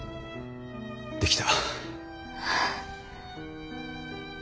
できた。